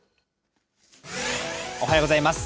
おはようございます。